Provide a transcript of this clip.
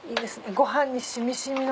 ご飯にしみしみの。